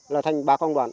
là thành ba công đoạn